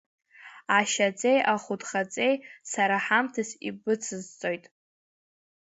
Ашьаҵеи ахәыдхаҵеи сара ҳамҭас ибыцысҵоит.